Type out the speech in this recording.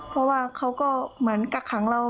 เพราะว่าเขาก็เหมือนกักขังเรา